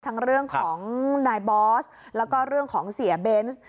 ทั้งเรื่องของนายบอสแล้วก็เรื่องของเสียเบนส์